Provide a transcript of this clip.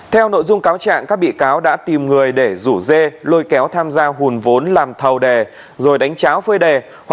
theo nội dung cáo trạng các bị cáo đã tìm người để rủ dê lôi kéo tham gia hùn vốn làm thầu đề rồi đánh cháo phơi đề